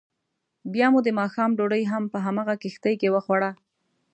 بیا مو دماښام ډوډۍ هم په همغه کښتۍ کې وخوړه.